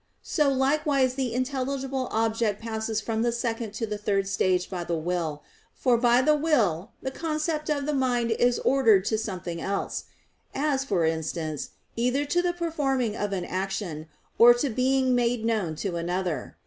So likewise the intelligible object passes from the second to the third stage by the will; for by the will the concept of the mind is ordered to something else, as, for instance, either to the performing of an action, or to being made known to another.